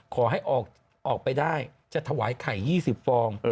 ขอให้ออกไปได้จะถวายไข่๒๐ฟอง